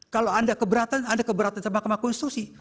kalau ada keberatan ada keberatan dari mahkamah konstitusi